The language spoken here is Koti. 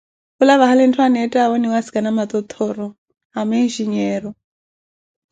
kula vahali ntthu aneettaavo oninsikana totthoro ama enjinyeero.